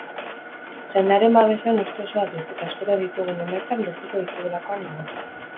Jendearen babesean uste osoa dut, eta espero ditugun emaitzak lortuko ditugulakoan nago.